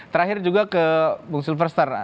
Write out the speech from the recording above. terakhir juga ke bung silverstar